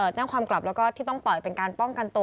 แจ้งความกลับแล้วก็ที่ต้องปล่อยเป็นการป้องกันตัว